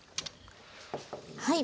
はい。